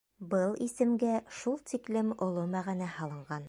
Был исемгә шул тиклем оло мәғәнә һалынған.